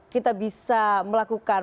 kita bisa melakukan